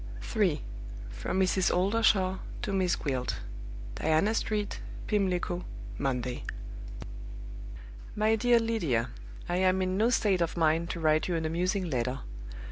From Mrs. Oldershaw to Miss Gwilt. "Diana Street, Pimlico, Monday. "MY DEAR LYDIA I am in no state of mind to write you an amusing letter.